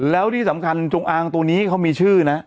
แล้วที่สำคัญจงอางตัวนี้เขามีชื่อนะ